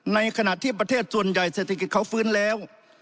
ในขณะที่ประเทศส่วนใหญ่เศรษฐกิจเขาฟื้นแล้ว